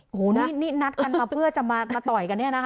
โอ้โหนี่นัดกันมาเพื่อจะมาต่อยกันเนี่ยนะคะ